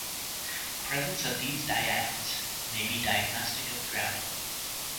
Presence of these diatoms may be diagnostic of drowning.